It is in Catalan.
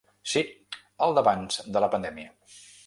Sí, el d’abans de la pandèmia.